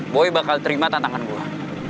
boy bakal terima tantangan gue